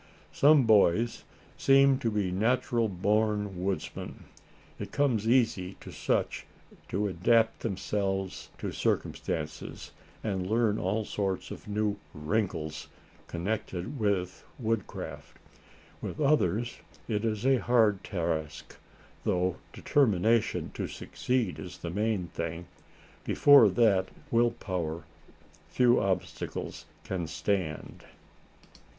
Some boys seem to be natural born woodsmen. It comes easy to such to adapt themselves to circumstances, and learn all sorts of new "wrinkles" connected with woodcraft. With others it is a hard task, though determination to succeed is the main thing. Before that will power, few obstacles can stand.